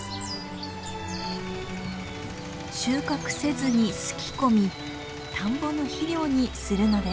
収穫せずにすき込み田んぼの肥料にするのです。